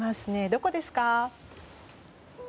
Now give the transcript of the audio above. どこですか？